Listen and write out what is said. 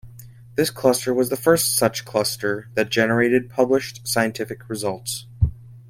This cluster was the first such cluster that generated published scientific results.